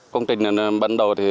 công trình bắt đầu